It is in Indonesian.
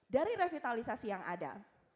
dari revitalisasi yang ada